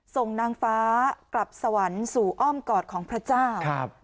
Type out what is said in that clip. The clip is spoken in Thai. นางฟ้ากลับสวรรค์สู่อ้อมกอดของพระเจ้า